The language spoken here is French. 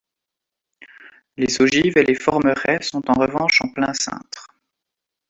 Les ogives et les formerets sont en revanche en plein cintre.